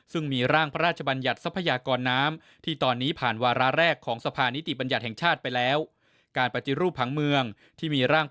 ซึ่งมีร่างพระราชบัญญัติทรัพยากรน้ำ